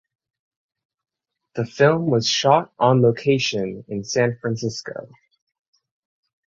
The film was shot on location in San Francisco.